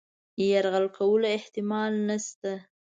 یرغل کولو احتمال نسته.